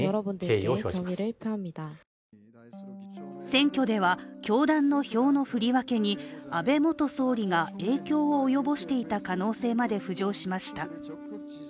選挙では、教団の票の振り分けに安倍元総理が影響を及ぼしていた可能性まで浮上しました。